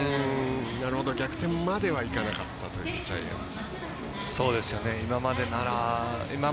逆転まではいかなかったというジャイアンツ。